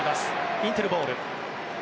インテルボール。